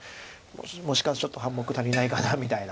もしかしたらちょっと半目足りないかなみたいな。